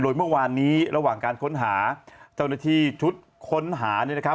โดยเมื่อวานนี้ระหว่างการค้นหาเจ้าหน้าที่ชุดค้นหาเนี่ยนะครับ